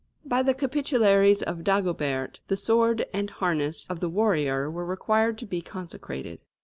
By the capitularies of Dagobert, the sword and harness of the warrior were required to be consecrated.